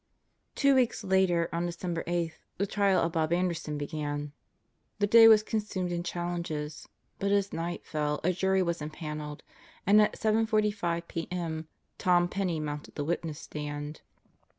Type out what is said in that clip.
Two weeks later, on December 8, the trial of Bob Anderson began. The day was consumed in challenges, but as night fell a jury was impaneled, and at 7:45 p.m. Tom Penney mounted the witness stand.